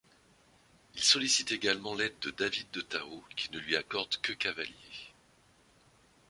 Il sollicite également l’aide de David de Tao qui ne lui accorde que cavaliers.